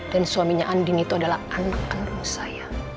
dan din itu adalah anak anggur saya